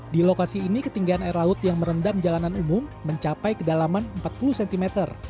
di lokasi ini ketinggian air laut yang merendam jalanan umum mencapai kedalaman empat puluh cm